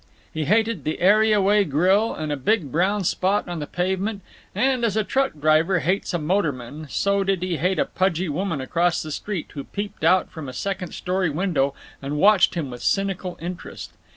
He hated the areaway grill, and a big brown spot on the pavement, and, as a truck driver hates a motorman, so did he hate a pudgy woman across the street who peeped out from a second story window and watched him with cynical interest.